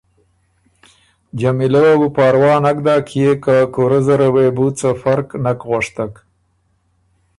جمیلۀ وه بو پاروا نک داک کيې که کُورۀ زره وې بو څه فرق نک غؤشتک۔